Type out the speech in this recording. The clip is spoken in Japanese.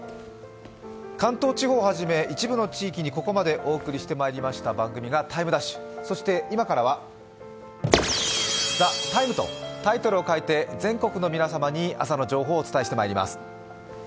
関東地方をはじめ一部の地域にここまでお送りしてきた番組が「ＴＩＭＥ’」、そして今からは、「ＴＨＥＴＩＭＥ，」とタイトルを変えて全国の皆様に朝の情報をお伝えしてまいります。